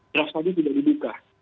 draft tadi sudah dibuka